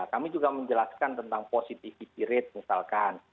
kami juga menjelaskan tentang positivity rate misalkan